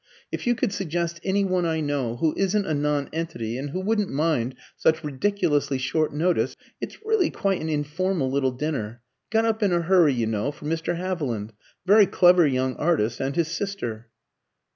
"If you could suggest any one I know, who isn't a nonentity, and who wouldn't mind such ridiculously short notice: it's really quite an informal little dinner, got up in a hurry, you know, for Mr. Haviland, a very clever young artist, and his sister."